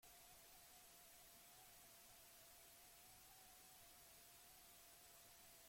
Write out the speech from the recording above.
Azterketetan kopiatu izan banu ez nukeen ezer ikasiko.